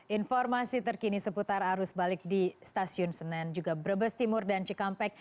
informasi terkini seputar arus balik di stasiun senen juga brebes timur dan cikampek